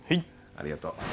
ありがとう。